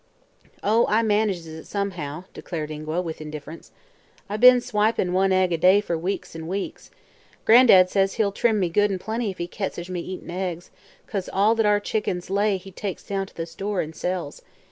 "Oh, I manages it somehow," declared Ingua, with indifference. "I be'n swipin' one egg a day fer weeks an' weeks. Gran'dad says he'll trim me good an' plenty if he catches me eatin' eggs, 'cause all that our chickens lays he takes down to the store an' sells.